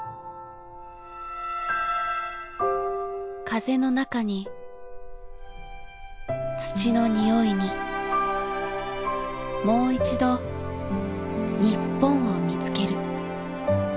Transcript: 風の中に土の匂いにもういちど日本を見つける。